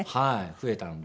増えたので。